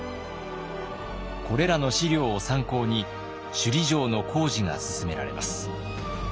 これらの資料を参考に首里城の工事が進められます。